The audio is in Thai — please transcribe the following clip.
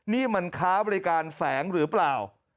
นี่มันค้าบริการแฝงหรือเปล่า